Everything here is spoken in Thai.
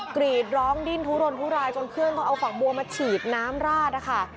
กรีดร้องดิ้นทุรนทุรายจนเพื่อนเขาเอาฝักบัวมาฉีดน้ำราดนะคะ